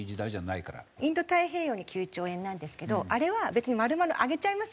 インド太平洋に９兆円なんですけどあれは別に丸々あげちゃいます